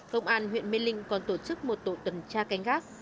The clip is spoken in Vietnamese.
công an huyện mê linh còn tổ chức một tổ tuần tra canh gác